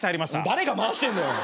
誰が回してんのよ！